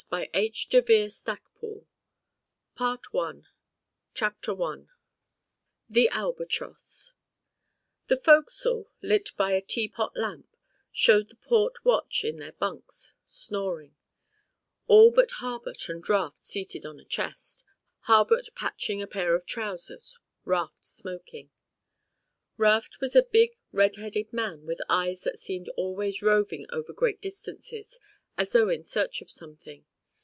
A NEW HOME 313 THE BEACH OF DREAMS CHAPTER I THE ALBATROSS The fo'c'sle, lit by a teapot lamp, shewed the port watch in their bunks, snoring, all but Harbutt and Raft seated on a chest, Harbutt patching a pair of trousers, Raft smoking. Raft was a big red headed man with eyes that seemed always roving over great distances as though in search of something.